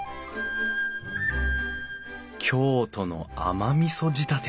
京都の甘みそ仕立て。